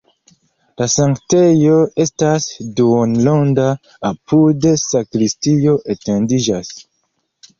La sanktejo estas duonronda, apude sakristio etendiĝas.